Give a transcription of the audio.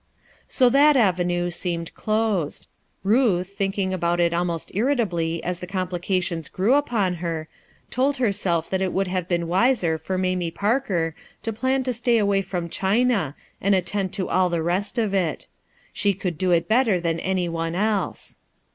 So that avenue seemed closed. Ruth, think in<* about it almost irritably as the complica tions grew upon her, told herself that it would have been wiser for Mamie Parker to plan to stay away from China and attend to all the rest of it; she could do it better than any one else.